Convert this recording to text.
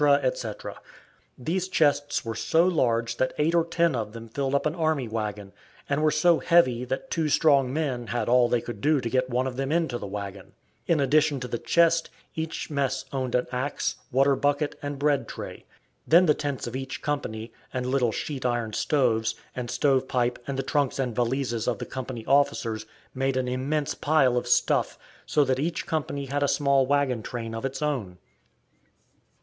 etc. These chests were so large that eight or ten of them filled up an army wagon, and were so heavy that two strong men had all they could do to get one of them into the wagon. In addition to the chest each mess owned an axe, water bucket, and bread tray. Then the tents of each company, and little sheet iron stoves, and stove pipe, and the trunks and valises of the company officers, made an immense pile of stuff, so that each company had a small wagon train of its own.